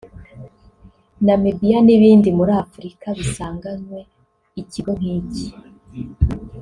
Namibia n’ibindi muri Afurika bisanganywe ikigo nk’iki